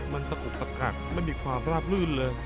มันตะอุกตะกักไม่มีความราบลื่นเลย